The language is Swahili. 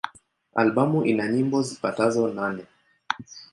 Albamu ina nyimbo zipatazo nane.